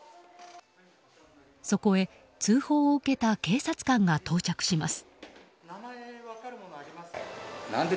そこへ通報を受けた警察官が到着します。